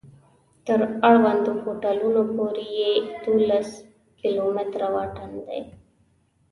تر اړوندو هوټلونو پورې یې دولس کلومتره واټن دی.